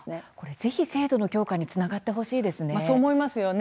ぜひ制度の強化につながってほしいですね。